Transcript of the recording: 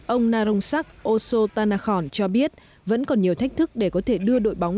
ông narongsak osotanakon cho biết vẫn còn nhiều thách thức để có thể đưa đội bóng